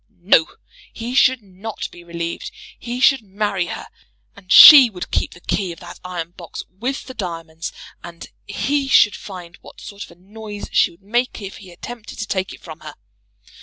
No! he should not be relieved. He should marry her. And she would keep the key of that iron box with the diamonds, and he should find what sort of a noise she would make if he attempted to take it from her.